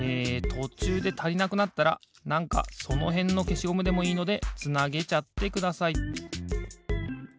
とちゅうでたりなくなったらなんかそのへんのけしゴムでもいいのでつなげちゃってください。